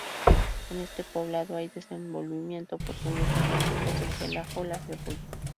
En este poblado hay desenvolvimiento, porque mucha gente cosecha el ajo, la cebolla.